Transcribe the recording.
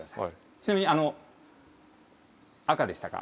ちなみに赤でしたか？